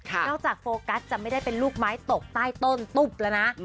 นอกจากโฟกัสจะไม่ได้เป็นลูกไม้ตกใต้ต้นตุ๊บแล้วนะ